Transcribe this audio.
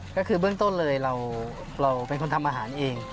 ก็คือเบื้องต้นเลยเราเป็นคนทำอาหารเอง